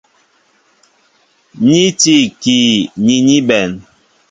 Ni tí ikii ni ní bɛ̌n.